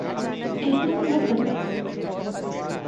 احمق مت بنو